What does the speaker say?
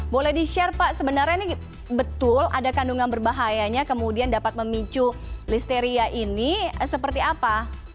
boleh di share pak sebenarnya ini betul ada kandungan berbahayanya kemudian dapat memicu listeria ini seperti apa